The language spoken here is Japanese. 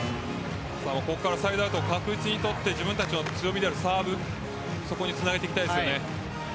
ここからサイドアウトを確実に取って自分たちの強みであるサーブにつなげていきたいですね。